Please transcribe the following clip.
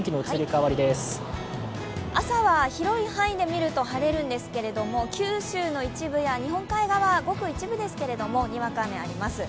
朝は広い範囲で見ると晴れるんですけれども晴れるんですけれども、九州の一部や日本海側ごく一部ですけれどもにわか雨あります。